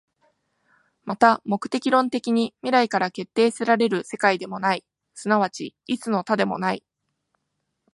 また目的論的に未来から決定せられる世界でもない、即ち一の多でもない。